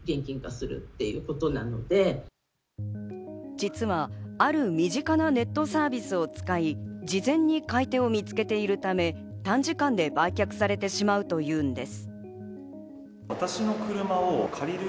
実は、ある身近なネットサービスを使い、事前に買い手を見つけているため、短時間で売却されてしまうというんです。